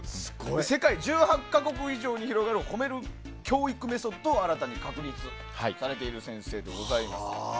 世界１８か国以上に広がる褒める教育メソッドを新たに確立されている先生でございます。